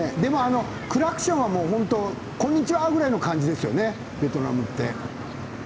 クラクションはこんにちはという感じですよねベトナムって。